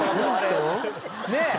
ねえ？